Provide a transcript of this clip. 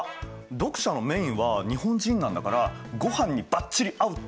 読者のメインは日本人なんだから「ごはんにバッチリ合う」ってのはどう？